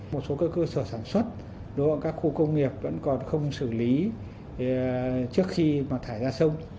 một số cơ sở sản xuất ở các khu công nghiệp vẫn còn không xử lý trước khi mà thải ra sông